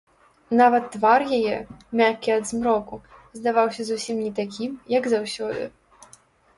Нават твар яе, мяккі ад змроку, здаваўся зусім не такім, як заўсёды.